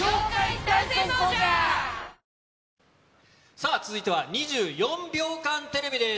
さあ、続いては２４秒間テレビです。